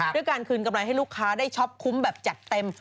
ด้วยการคืนกำไรให้ลูกค้าได้ช็อปคุ้มแบบจัดเต็ม